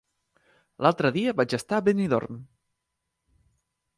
L'altre dia vaig estar a Benidorm.